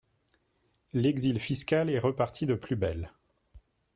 L’exil fiscal est reparti de plus belle.